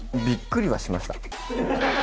びっくりはしました。